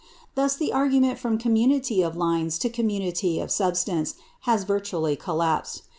Thus the argument from community of lines to community of substance has virtually collapsed.